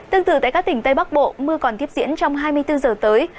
tương tự tại các tỉnh tây bắc bộ mưa còn tiếp diễn trong hai mươi bốn giờ tới